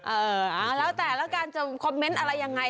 เออแล้วแต่แล้วกันคอมเมนต์อะไรยังไง